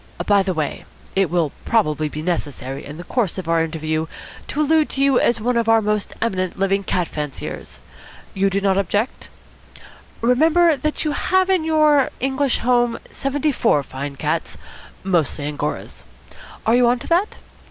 By the way, it will probably be necessary in the course of our interview to allude to you as one of our most eminent living cat fanciers. You do not object? Remember that you have in your English home seventy four fine cats, mostly Angoras. Are you on to that?